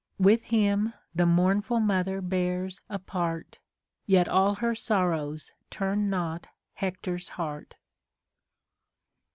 With him the mournful mother bears a part ; Yet all her sorrows turn not Hector's heart.